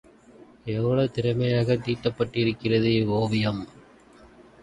எவ்வளவு திறமையாகத் தீட்டப்பட்டிருக்கிறது இவ்வோவியம்!